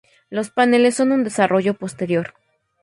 Los paneles son un desarrollo posterior.